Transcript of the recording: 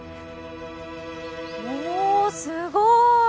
おおすごい！